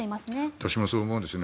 私もそう思うんですね。